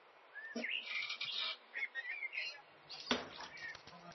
a inaweza kutumiwa pale ambapo